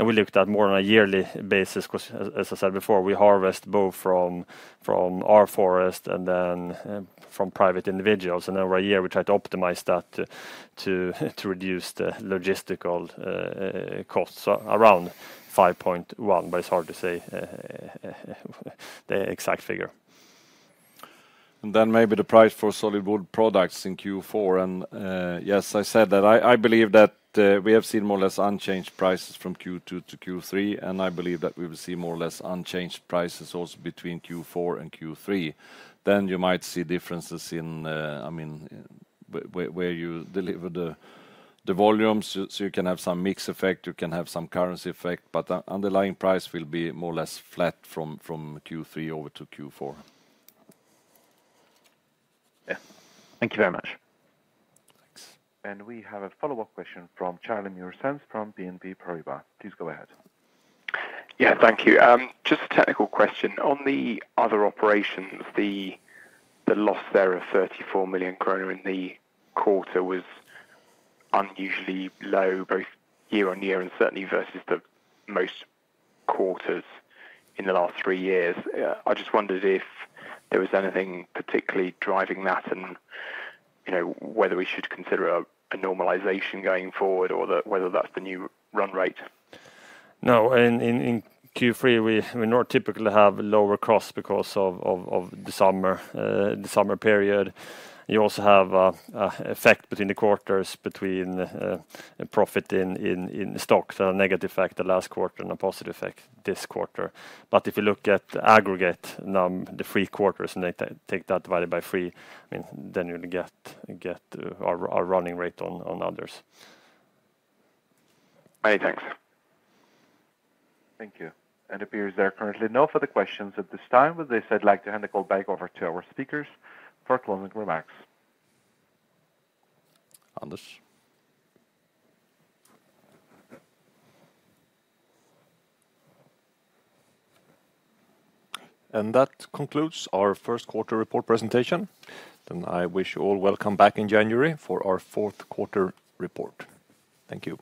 and we looked at more on a yearly basis, 'cause as I said before, we harvest both from our forest and then from private individuals, and over a year, we try to optimize that to reduce the logistical costs, so around five point one, but it's hard to say the exact figure. And then maybe the price for solid wood products in Q4, and yes, I said that I believe that we have seen more or less unchanged prices from Q2 to Q3, and I believe that we will see more or less unchanged prices also between Q4 and Q3. Then you might see differences in, I mean, where you deliver the volumes, so you can have some mix effect, you can have some currency effect, but the underlying price will be more or less flat from Q3 over to Q4. Yeah. Thank you very much. Thanks. We have a follow-up question from Charlie Muress from BNP Paribas. Please go ahead. Yeah, thank you. Just a technical question. On the other operations, the loss there of 34 million kronor in the quarter was unusually low, both year-on-year and certainly versus the most quarters in the last three years. I just wondered if there was anything particularly driving that and, you know, whether we should consider a normalization going forward or whether that's the new run rate? No, in Q3, we not typically have lower costs because of the summer period. You also have a effect between the quarters, between profit in stock, so a negative effect the last quarter and a positive effect this quarter. But if you look at the aggregate number, the three quarters, and take that divided by three, then you'll get our running rate on others. Many thanks. Thank you. It appears there are currently no further questions at this time. With this, I'd like to hand the call back over to our speakers for closing remarks. Anders? That concludes our first quarter report presentation. I wish you all welcome back in January for our fourth quarter report. Thank you.